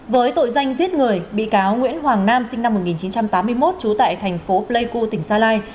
với tội danh giết người bị cáo nguyễn hoàng nam sinh năm một nghìn chín trăm tám mươi một trú tại thành phố pleiku tỉnh gia lai